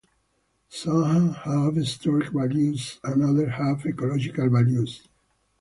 Some have historic values and others have ecological values.